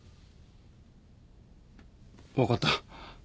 分かった。